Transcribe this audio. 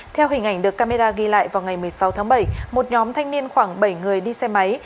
theo hình ảnh được camera ghi lại vào ngày một mươi sáu tháng bảy một nhóm thanh niên khoảng bảy người đi xe máy